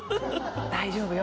大丈夫よ。